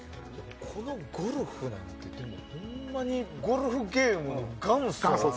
このゴルフなんてほんまにゴルフゲームの元祖。